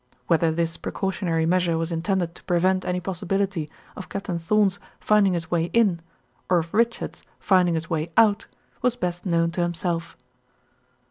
Whether this precautionary measure was intended to prevent any possibility of Captain Thorn's finding his way in, or of Richard's finding his way out, was best known to himself.